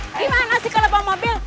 gimana sih kalau bawa mobil